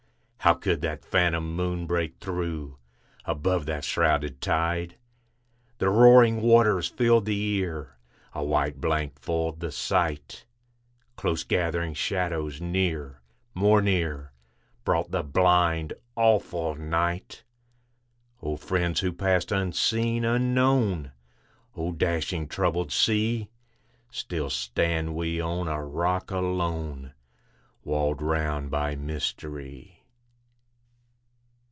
How could that phantom moon break through, Above that shrouded tide? The roaring waters filled the ear, A white blank foiled the sight. Close gathering shadows near, more near, Brought the blind, awful night. O friends who passed unseen, unknown! O dashing, troubled sea! Still stand we on a rock alone, Walled round by mystery.